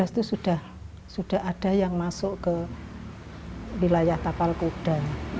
tiga belas itu sudah ada yang masuk ke wilayah tapal kuda